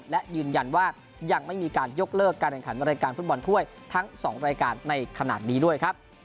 และยืนยันว่ายังไม่มีการยกเลิกการแข่งขันรายการฟุตบอลถ้วยทั้ง๒รายการในขณะนี้ด้วยครับ